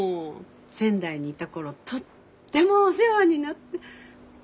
仙台にいた頃とってもお世話になって。